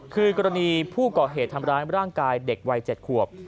คือกรณีผู้ก่อเหตุทำร้ายร่างกายเด็กวัย๗ขวบ